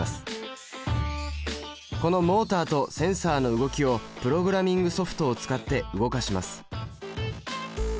このモータとセンサの動きをプログラミングソフトを使って動かします。